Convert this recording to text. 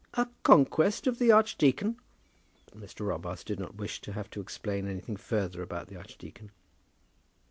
"A conquest of the archdeacon!" But Mr. Robarts did not wish to have to explain anything further about the archdeacon.